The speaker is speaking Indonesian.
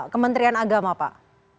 kementerian agama pak